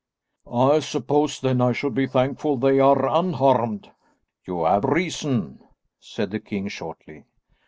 "I suppose then I should be thankful they are unharmed?" "You have reason," said the king shortly.